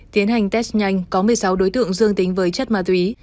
tiến hành test nhanh có một mươi sáu đối tượng dương tính với chất ma túy